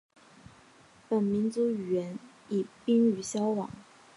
本民族语言已濒于消亡。